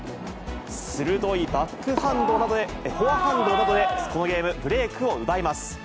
鋭いフォアハンドなどで、このゲーム、ブレークを奪います。